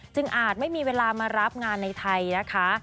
อาจไม่มีเวลามารับงานในไทยนะคะ